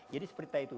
jadi seperti itu